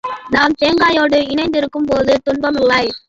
நாம் தேங்காயோடு இணைந்திருக்கும் போது துன்பமில்லை.